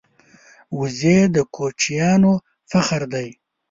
وزې د کوچیانو فخر دی